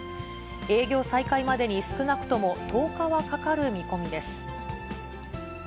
営業再開までに少なくとも１０日はかかる見込みです。